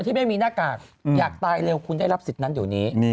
ที่ไม่มีหน้ากากอยากตายเร็วคุณได้รับสิทธิ์นั้นเดี๋ยวนี้